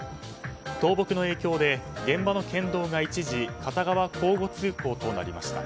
倒木の影響で現場の県道が一時片側交互通行となりました。